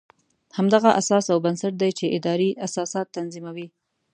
همدغه اساس او بنسټ دی چې ادارې اساسات تنظیموي.